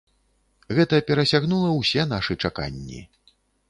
Гэта перасягнула ўсе нашы чаканні.